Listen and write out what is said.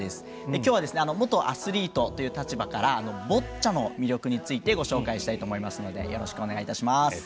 きょうはもとアスリートという立場からボッチャの魅力についてご紹介したいと思いますのでよろしくお願いします。